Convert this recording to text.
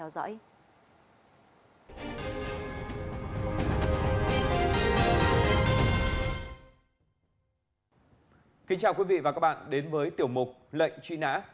kính chào quý vị và các bạn đến với tiểu mục lệnh truy nã